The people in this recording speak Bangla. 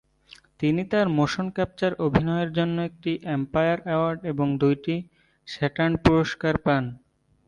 তিনি তার মোশন-ক্যাপচার অভিনয়ের জন্য একটি এম্পায়ার অ্যাওয়ার্ড এবং দুইটি স্যাটার্ন পুরস্কার পান।